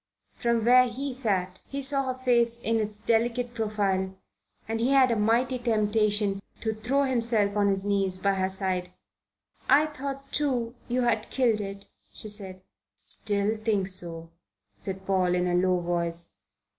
From where he sat he saw her face in its delicate profile, and he had a mighty temptation to throw himself on his knees by her side. "I thought, too, you had killed it," she said. "Still think so," said Paul, in a low voice.